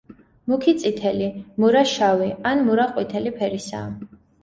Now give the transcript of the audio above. მუქი წითელი, მურა შავი ან მურა ყვითელი ფერისაა.